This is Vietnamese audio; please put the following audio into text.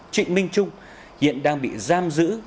trịnh minh trung hiện đang bị giam giữ